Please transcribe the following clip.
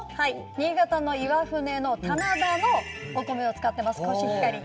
新潟の岩船の棚田のお米を使ってますコシヒカリ。